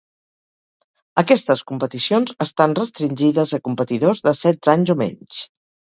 Aquestes competicions estan restringides a competidors de setze anys o menys.